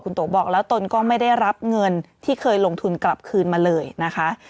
โตบอกแล้วตนก็ไม่ได้รับเงินที่เคยลงทุนกลับคืนมาเลยนะคะ